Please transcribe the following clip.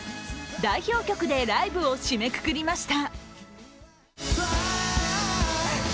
代表曲でライブを締めくくりました。